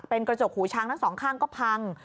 เป็นกระจกหูช้างทั้งสองข้างก็พัง